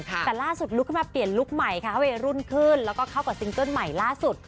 แต่ล่าสุดลุกขึ้นมาเปลี่ยนลุคใหม่ค่ะวัยรุ่นขึ้นแล้วก็เข้ากับซิงเกิ้ลใหม่ล่าสุด